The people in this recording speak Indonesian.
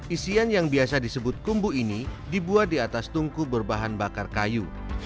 isian yang biasa disebut kumbu ini dibuat di atas tungku berbahan bakar kayu